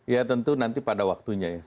ya tentu nanti pada waktunya ya